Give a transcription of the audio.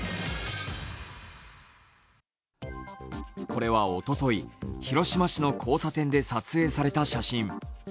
これはおととい、広島市の交差点で撮影された写真。